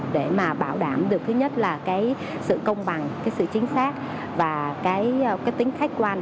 để mà bảo đảm được thứ nhất là cái sự công bằng cái sự chính xác và cái tính khách quan